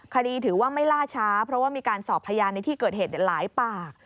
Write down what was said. ถือว่าไม่ล่าช้าเพราะว่ามีการสอบพยานในที่เกิดเหตุหลายปาก